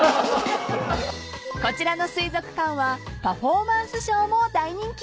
［こちらの水族館はパフォーマンスショーも大人気］